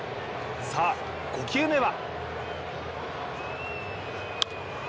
さあ５球目は。